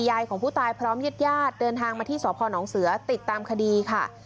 ยายของผู้ตายพร้อมญาติญาติเดินทางมาที่สพนเสือติดตามคดีค่ะ